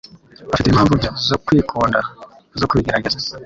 Bafite impamvu nke zo kwikunda zo kubigerageza.